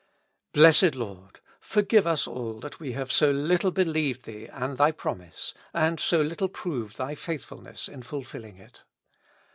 Blessed Lord ! forgive us all that we have so little believed Thee and Thy promise, and so little proved Thy faithfulness in fulfilling it.